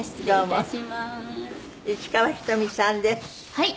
はい。